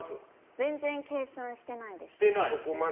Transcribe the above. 全然計算してないです。